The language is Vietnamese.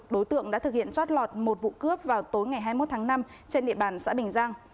đối tượng đã thực hiện chót lọt một vụ cướp vào tối ngày hai mươi một tháng năm trên địa bàn xã bình giang